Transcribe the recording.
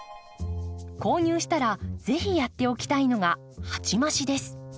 購入したら是非やっておきたいのが鉢増しです。